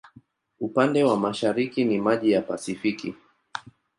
Upande wa mashariki ni maji ya Pasifiki.